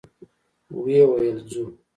ويې ويل: ځو؟